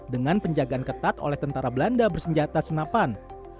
dengan penjagaan ketat oleh tentara belanda bersenjata senapan